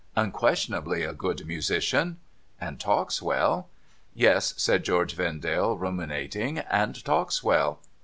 ' Unquestionably a good musician.' ' And talks well.' * Yes,' said George Vendale, ruminating, ' and talks well.